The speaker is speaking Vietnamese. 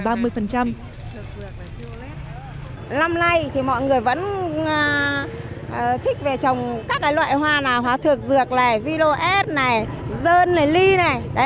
năm nay thì mọi người vẫn thích về trồng các loại hoa nào hoa thuộc dược này violet này dơn này ly này